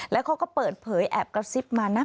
แล้วเขาก็เปิดเผยแอบกระซิบมานะ